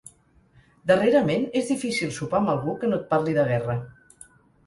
Darrerament és difícil sopar amb algú que no et parli de guerra.